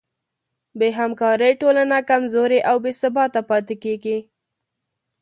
بېهمکارۍ ټولنه کمزورې او بېثباته پاتې کېږي.